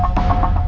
aku kasih tau